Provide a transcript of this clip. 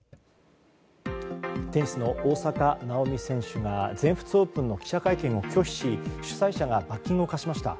テニスの大坂なおみ選手が全仏オープンの記者会見を拒否し主催者が罰金を科しました。